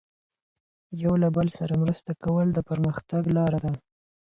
یو له بل سره مرسته کول د پرمختګ لاره ده.